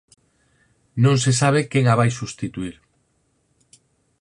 Non se sabe quen a vai substituír.